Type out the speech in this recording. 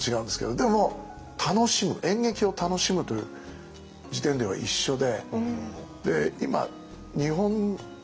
でも楽しむ演劇を楽しむという時点では一緒で。